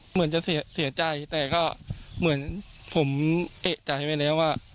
เหมือนจะเสียใจแต่ก็เหมือนผมเอกใจไว้แล้วว่า